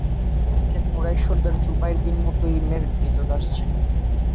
সে Quraysh সর্দার Zubair bin মুতঈমের ক্রীতদাস ছিল।